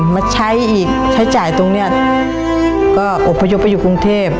มาใช้อีกใช้จ่ายตรงนี้ก็อบพยพไปอยู่กรุงเทพ